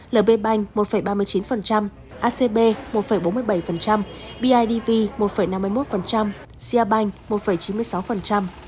lb bank một ba mươi chín acb một bốn mươi bảy bidv một năm mươi một sia banh một chín mươi sáu